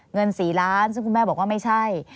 เงิน๔ล้านซึ่งคุณแม่บอกว่าไม่ใช่